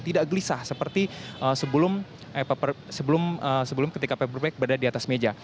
tidak gelisah seperti sebelum ketika paperback berada di atas meja